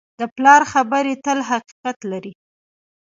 د پلار خبرې تل حقیقت لري.